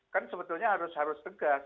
kan sebetulnya harus tegas